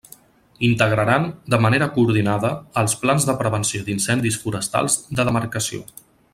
Integraran, de manera coordinada, els plans de prevenció d'incendis forestals de demarcació.